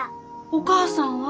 お母さんは？